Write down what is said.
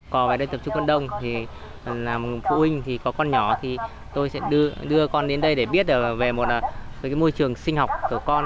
cò về đây tập trung con đông làm phụ huynh thì có con nhỏ thì tôi sẽ đưa con đến đây để biết về môi trường sinh học của con